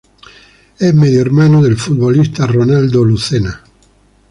Es medio hermano del futbolista Ronaldo Lucena.